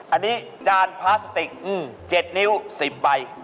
อันนี้จานพลาสติก๗นิ้ว๑๐ใบ